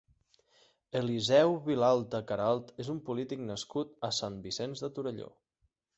Eliseo Vilalta Caralt és un polític nascut a Sant Vicenç de Torelló.